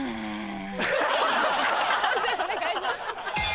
判定お願いします。